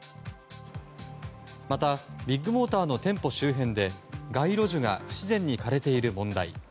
また、ビッグモーターの店舗周辺で街路樹が不自然に枯れている問題。